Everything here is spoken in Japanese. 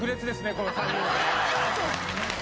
この３人。